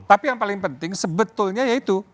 tapi yang paling penting sebetulnya yaitu